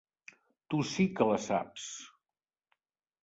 Tu sí que la saps.